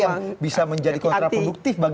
yang bisa menjadi kontraproduktif bagi